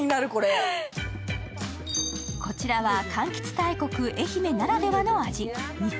こちらはかんきつ大国・愛媛ならではの味。